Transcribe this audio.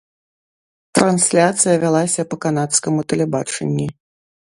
Трансляцыя вялася па канадскаму тэлебачанні.